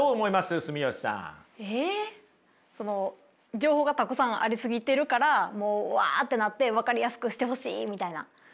情報がたくさんありすぎてるからもうわってなって分かりやすくしてほしいみたいな。